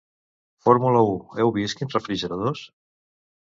Fórmula I. Heu vist quins refrigeradors?